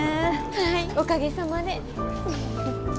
はいおかげさまで。